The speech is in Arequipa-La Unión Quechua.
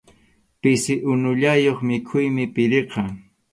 Pisi unullayuq mikhuymi phiriqa.